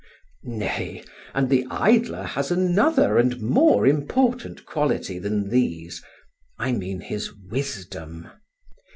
Nay, and the idler has another and more important quality than these. I mean his wisdom.